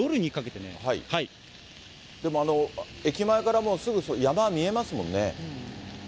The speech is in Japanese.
でも、駅前からもすぐ山見えますもんね。